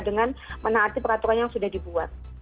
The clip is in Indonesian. dengan menaati peraturan yang sudah dibuat